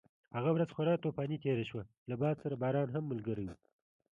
هغه ورځ خورا طوفاني تېره شوه، له باد سره باران هم ملګری و.